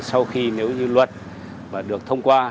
sau khi nếu như luật được thông qua